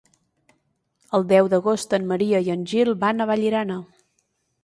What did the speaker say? El deu d'agost en Maria i en Gil van a Vallirana.